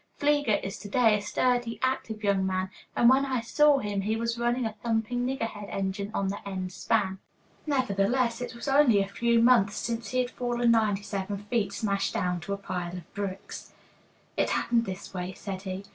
Fleager is to day a sturdy, active young man, and when I saw him he was running a thumping niggerhead engine on the end span. Nevertheless, it was only a few months since he had fallen ninety seven feet smash down to a pile of bricks. "It happened this way," said he.